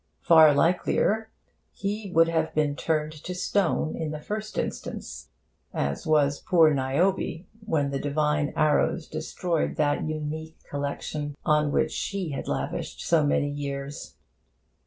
Far likelier, he would have been turned to stone, in the first instance, as was poor Niobe when the divine arrows destroyed that unique collection on which she had lavished so many years.